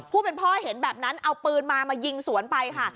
ผู้เป็นพ่อเห็นแบบนั้นเอาปืนมามายิงสวนไปค่ะ